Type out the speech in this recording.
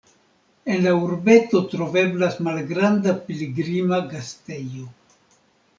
En la urbeto troveblas malgranda pilgrima gastejo.